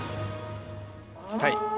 はい。